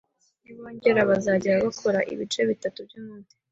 nibongera bazajya bakora ibice bitatu by’umunsi